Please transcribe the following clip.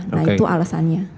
nah itu alasannya